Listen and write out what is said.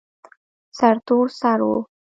سرتور سر و.